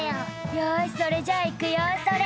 「よしそれじゃ行くよそれ！」